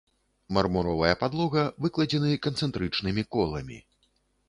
Мармуровая падлога выкладзены канцэнтрычнымі коламі.